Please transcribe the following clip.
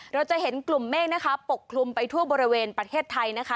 เราจะเห็นกลุ่มเมฆนะคะปกคลุมไปทั่วบริเวณประเทศไทยนะคะ